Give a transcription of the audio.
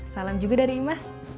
salam juga dari imas